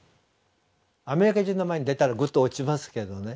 アメリカ人の前に出たらグッと落ちますけどね